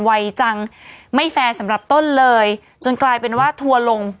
วัยจังไม่แฟร์สำหรับต้นเลยจนกลายเป็นว่าทัวร์ลง